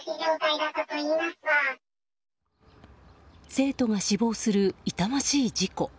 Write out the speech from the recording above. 生徒が死亡する痛ましい事故。